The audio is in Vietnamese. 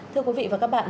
thưa quý vị và các bạn